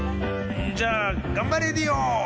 じゃあ「がんばレディオ！」。